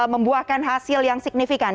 membuahkan hasil yang signifikan